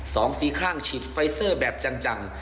สองสีข้างฉีดไฟเซอร์แบบจัง